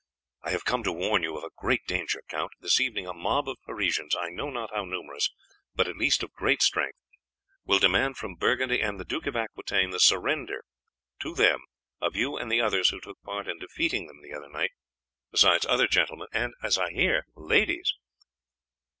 "I have come to warn you of a great danger, Count. This evening a mob of Parisians, I know not how numerous, but at least of great strength, will demand from Burgundy and the Duke of Aquitaine the surrender to them of you and the others who took part in defeating them the other night, besides other gentlemen, and, as I hear, ladies."